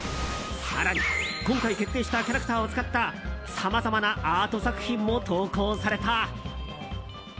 更に、今回決定したキャラクターを使ったさまざまなアート作品も投稿された。